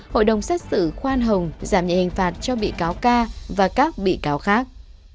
hội đồng xét xử khoan hồng giảm nhẹ hình phạt cho bị cáo ca và các bị cáo khác